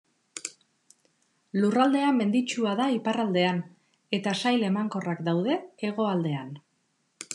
Lurraldea menditsua da iparraldean, eta sail emankorrak daude hegoaldean.